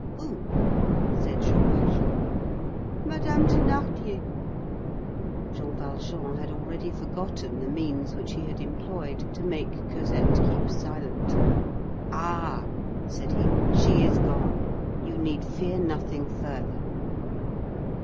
"Who?" said Jean Valjean. "Madame Thénardier." Jean Valjean had already forgotten the means which he had employed to make Cosette keep silent. "Ah!" said he, "she is gone. You need fear nothing further."